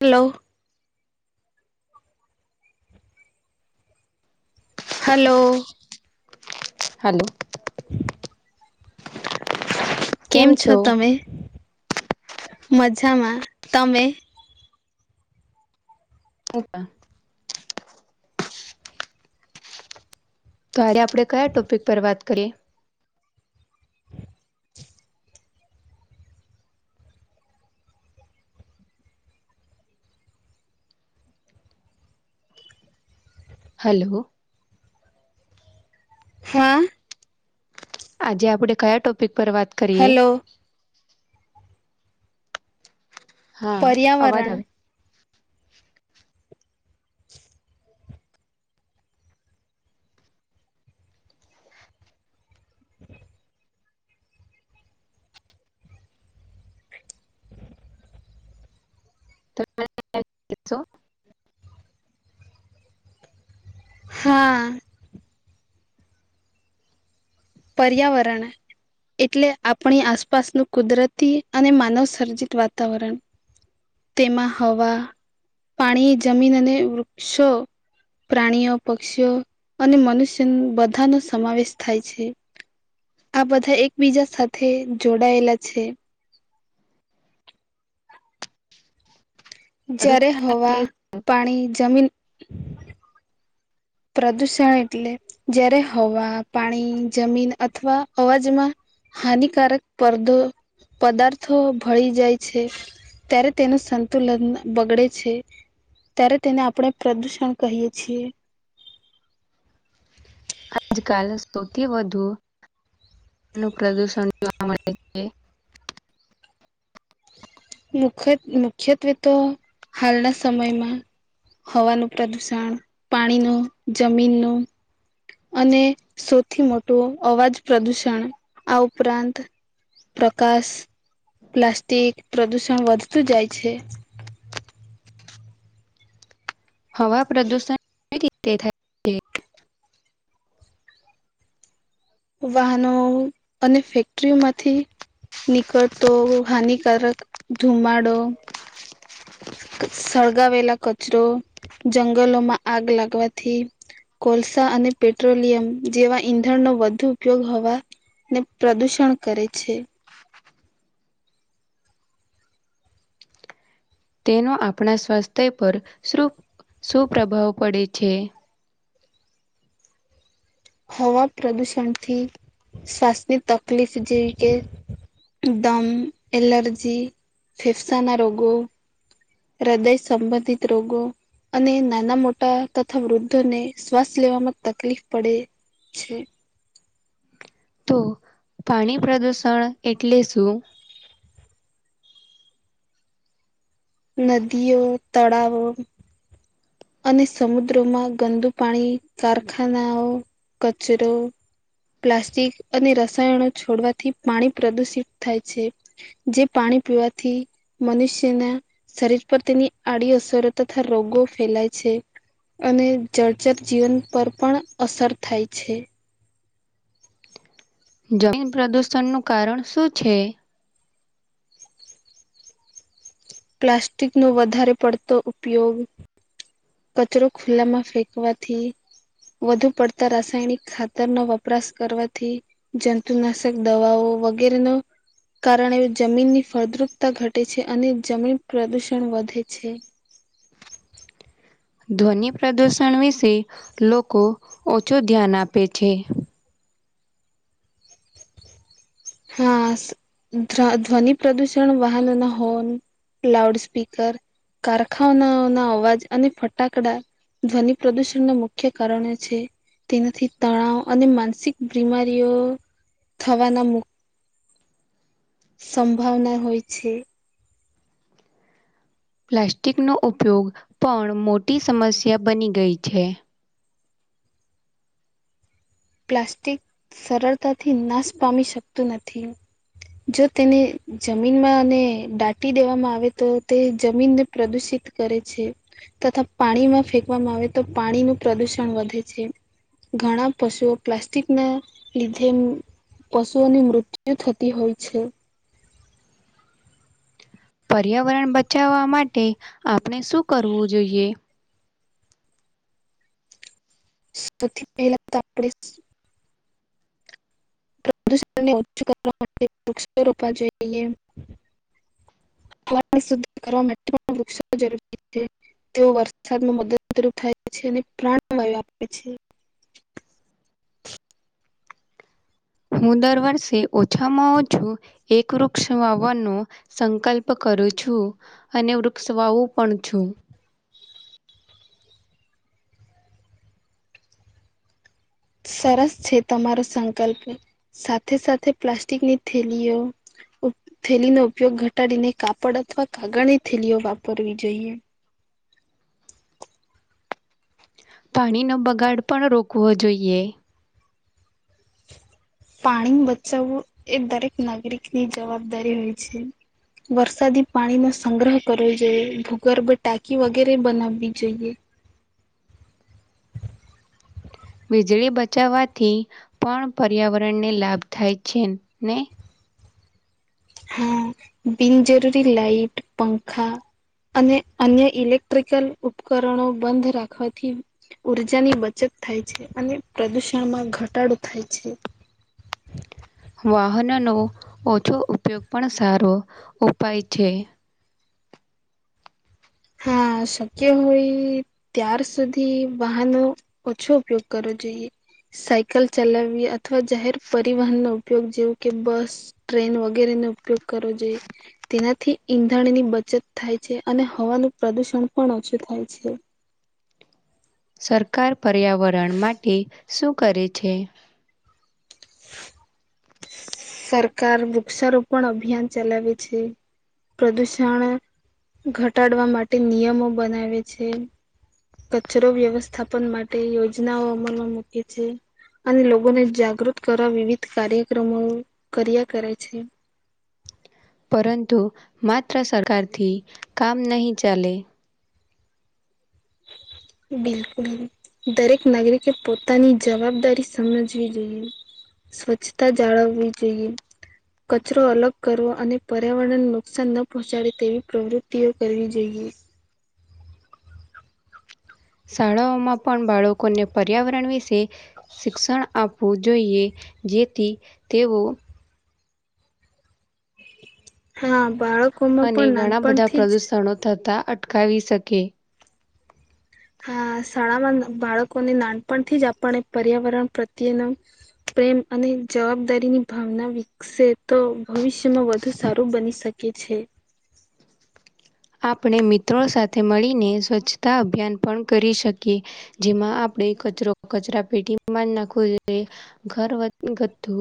Hello? Hello! Hello! કેમ છો તમે? મજામાં. તમે [inaudible] તો [inaudible] આપણે કયા ટોપિક પર વાત કરીએ? હલો? હા. આજે આપણે કયા ટોપિક પર વાત કરીએ હેલો. હા. અવાજ પર્યાવરણ [inaudible] [inaudible] [inaudible] હા. પર્યાવરણ એટલે આપણી આસપાસનું કુદરતી અને માનવ સર્જિત વાતાવરણ. તેમાં હવા, પાણી જમીન, અને વૃક્ષો પ્રાણીઓ, પક્ષીઓ અને મનુષ્ય બધા નો સમાવેશ થાય છે. આ બધા એકબીજા સાથે જોડાયેલા છે. જયારે પ્રદૂષણ હવા, એટલે પાણી, જમીન પ્રદૂષણ એટલે જયારે હવા, પાણી, જમીન, અથવા અવાજમાં હાનિકારક પરદો પદાર્થો ભળી જાય છે. ત્યારે તેનું સંતુલન બગડે છે. ત્યારે તેને આપણે પ્રદૂષણ કહીએ છીએ. આજકાલ સૌથી વધુ નું પ્રદૂષણ [inaudible] મુખ મુખ્યત્વે તો હાલના સમયમાં હવાનું પ્રદુષણ, પાણીનું, જમીનનું અને સૌથી મોટો અવાજ પ્રદુષણ. આ ઉપરાંત પ્રકાશ, પ્લાસ્ટિક પ્રદુષણ વધતું જાય છે. હવા પ્રદુષણ [inaudible] રીતે થાય? છે વાહનો અને ફેક્ટરીઓ માંથી નીકળતો હાનિકારક ધુમાડો સળગાવેલા કચરો, જંગલોમાં આગ લાગવાથી કોલસા અને પેટ્રોલિયમ જેવા ઈંધણનો વધુ ઉપયોગ હવા ને પ્રદૂષણ કરે છે. તેનો આપણા સ્વાસ્થ્ય પર શ્રુ શું પ્રભાવ પડે છે? હવા પ્રદુષણ થી શ્વાસની તકલીફ જેવી કે દમ, એલર્જી ફેફસાના રોગો, હૃદય સંબંધિત રોગો અને નાના-મોટા તથા વૃદ્ધોને શ્વાસ લેવામાં તકલીફ પડે છે. તો પાણી પ્રદુષણ એટલે શું? નદીઓ, તળાવો અને સમુદ્રોમાં ગંદુ પાણી, કારખાનાઓ, કચરો પ્લાસ્ટિક અને રસાયણો છોડવાથી પાણી પ્રદુષિત થાય છે. જે પાણી પીવાથી મનુષ્યના શરીર પર તેની આડી અસરો તથા રોગો ફેલાય છે અને જડચર જીવન પર પણ અસર થાય છે. જમીન પ્રદુષણ નું કારણ શું છે? પ્લાસ્ટિકનો વધારે પડતો ઉપયોગ કચરો ખુલ્લા માં ફેંકવાથી વધુ પડતા રાસાયણિક ખાતરનો વપરાશ કરવાથી જંતુનાશક દવાઓ વગેરેનો કારણે જમીનની ફળદ્રુપતા ઘટે છે અને જમીન પ્રદૂષણ વધે છે. ધ્વનિ પ્રદુષણ વિશે લોકો ઓછુ ધ્યાન આપે છે. હા [unintelligible] ધ્વનિ પ્રદૂષણ વાહનના હોન, લાઉડ સ્પીકર કારખાનાઓ ના અવાજ અને ફટાકડા ધ્વનિ પ્રદુષણના મુખ્ય કારણો છે. તેનાથી તણાવ અને માનસિક બીમારીઓ થવાના મુખ સંભાવના હોય છે. પ્લાસ્ટિકનો ઉપયોગ પણ મોટી સમસ્યા બની ગઈ છે. પ્લાસ્ટિક સરળતાથી નાશ પામી શકતું નથી. જો તેને જમીનમાં અને દાટી દેવામાં આવે તો તે જમીનને પ્રદુષિત કરે છે. તથા પાણીમાં ફેંકવામાં આવે તો પાણીનું પ્રદુષણ વધે છે. ઘણા પશુઓ પ્લાસ્ટિકના લીધે પશુઓની મૃત્યુ થતી હોય છે. પર્યાવરણ બચાવવા માટે આપણે શું કરવું જોઈએ? સૌથી પહેલા તો આપણેે પ્રદૂષણને ઓછું કરવા માટે વૃક્ષો રોપવા જોઈએ. હવા ને શુદ્ધ કરવા વૃક્ષો જરૂરી છે. તેઓ વરસાદમાં મદદરૂપ થાય છે અને પ્રાણ વાયુ આપે છે. હું દર વર્ષે ઓછામાં ઓછું એક વૃક્ષ વાવવાનું સંકલ્પ કરું છું. અને વૃક્ષ વાવું પણ છું. સરસ છે તમારો સંકલ્પ સાથે સાથે પ્લાસ્ટિકની થેલીઓ થેલીનો ઉપયોગ ઘટાડીને કાપડ અથવા કાગળની થેલીઓ વાપરવી જોઈએ. પાણીનો બગાડ પણ રોકવો જોઈએ. પાણી બચાવવું એ દરેક નાગરિકની જવાબદારી હોય છે. વરસાદી પાણી નો સંગ્રહ કરવો જોઈએ ભૂગર્ભ ટાંકી વગેરે બનાવવી જોઈએ. વીજળી બચાવવાથી પણ પર્યાવરણને લાભ થાય છે ને હા, બિનજરૂરી લાઈટ, પંખા અને અન્ય ઇલેક્ટ્રિકલ ઉપકરણો બંધ રાખવાથી ઉર્જાની બચત થાય છે અને પ્રદુષણમાં ઘટાડો થાય છે. વાહનનો ઓછો ઉપયોગ પણ સારો ઉપાય છે. હા, શક્ય હોય ત્યાર સુધી વાહનનો ઓછો ઉપયોગ કરવો જોઈએ. સાયકલ ચલાવવી અથવા જાહેર પરિવહનનો ઉપયોગ જેવું કે બસ ટ્રેન વગેરે નો ઉપયોગ કરવો જોઈએ. તેનાથી ઈંધણની બચત થાય છે, અને હવાનું પ્રદુષણ પણ ઓછું થાય છે. સરકાર પર્યાવરણ માટે શું કરે છે? સરકાર વૃક્ષારોપણ અભિયાન ચલાવે છે. પ્રદૂષણ ઘટાડવા માટે નિયમો બનાવે છે. કચરો વ્યવસ્થાપન માટે યોજનાઓ અમલમાં મૂકે છે. અને લોગો ને જાગૃત કરવા વિવિધ કાર્યક્રમો કર્યા કરે છે. પરંતુ માત્ર સરકારથી, કામ નહીં ચાલે. બિલકુલ, દરેક નાગરિકે પોતાની જવાબદારી સમજવી જોઈએ. સ્વચ્છતા જાળવવી જોઈએ. કચરો અલગ કરવો અને પર્યાવરણને નુકસાન ન પહોંચાડે તેવી પ્રવૃત્તિઓ કરવી જોઈએ. શાળાઓમાં પણ બાળકોને પર્યાવરણ વિશે. શિક્ષણ આપવું જોઈએ, જેથી તેઓ. હા બાળક અને ઘણા બધા પ્રદૂષણો થતાં અટકાવી શકે. હા શાળામાં બાળકોને નાનપણથી જ આપણે પર્યાવરણ પ્રત્યેનો. પ્રેમ અને જવાબદારીની ભાવના વિકસે તો ભવિષ્ય જેમાં વધુ સારું બની શકે છે. આપણે મિત્રો સાથે મળીને સ્વચ્છતા અભિયાન પણ કરી શકીએ. જેમાં આપણે કચરો કચરા પેટી મા નાખવો જોઈએ. ઘરગથ્થુ,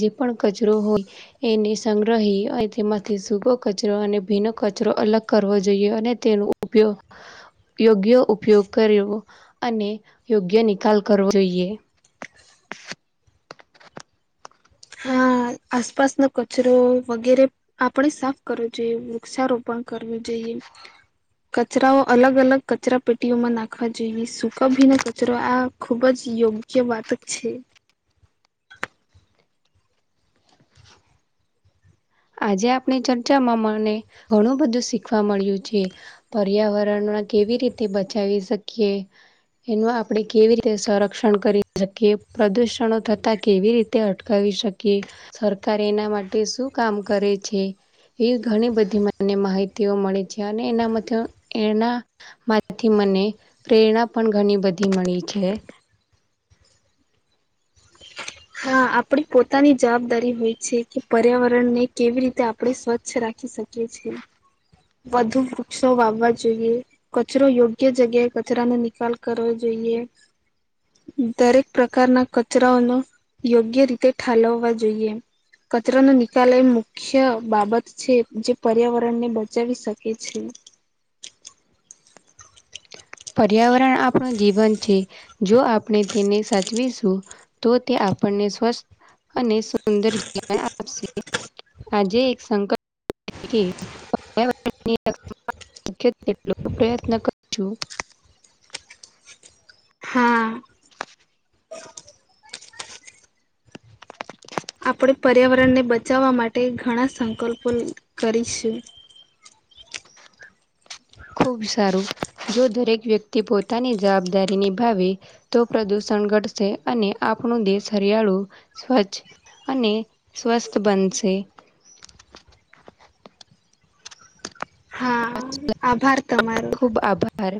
જે પણ કચરો હોય. એને સંગ્રહી અને તેમાંથી સૂકો કચરો અને ભીનો કચરો અલગ કરવો જોઈએ અને તેનો ઉપયોગ યોગ્ય ઉપયોગ કરવો, અને યોગ્ય નિકાલ કરવો જોઈએ. હા આસપાસનો કચરો વગેરે આપણેે સાફ કરવું જોઈએ વૃક્ષારોપણ કરવું જોઈએ. કચરાઓ અલગ અલગ કચરા પેટીઓમાં નાખવા જોઈએ સૂકાભીન કચરો આ ખુબ જ યોગ્ય વાતક છે. આજે આપણી ચર્ચામાં, મને ઘણું બધું શીખવા મળ્યું છે. પર્યાવરણમાં કેવી રીતે બચાવી શકીએ? એનું આપણે કેવી રીતે સંરક્ષણ કરી શકીએ પ્રદૂષણો થતા કેવી રીતે અટકાવી શકીએ, સરકાર એના માટે શું કામ કરે છે? એવી ઘણી બધી માહિતીઓ મળે છે અને એના માથી મને પ્રેરણા પણ ઘણી બધી મળી છે. હા આપણી પોતાની જવાબદારી હોય છે કે પર્યાવરણને કેવી રીતે આપણે સ્વચ્છ રાખી શકીએ. છીએ. વધુ વૃક્ષો વાવવા જોઈએ. કચરો યોગ્ય જગ્યાએ કચરાનો નિકાલ કરવો જોઈએ. દરેક પ્રકારના કચરાઓનો યોગ્ય રીતે ઠાલવવા જોઈએ. કચરો નો નિકાલ એ મુખ્ય બાબત છે જે પર્યાવરણ ને બચાવી શકે છે. પર્યાવરણ આપણું જીવન છે, જો આપણે તેને સાચવીશું. તો તે આપણને સ્વસ્થ અને સુંદર જીવન આપશે. આજે એક સંકલ્પ [unintelligible] [unintelligible] તેટલો પ્રયત્ન કરુ છું. હા. આપણે પર્યાવરણને બચાવવા માટે ઘણા સંકલ્પો કરીશું. ખૂબ સારું, જો દરેક વ્યક્તિ પોતાની જવાબદારી નિભાવે. તો પ્રદુષણ ઘટશે અને આપણું દેશ હરિયાળુ, સ્વચ્છ. અને સ્વસ્થ બનશે. હા આભાર તમારો. ખૂબ આભાર.